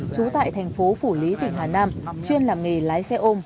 trú tại thành phố phủ lý tỉnh hà nam chuyên làm nghề lái xe ôm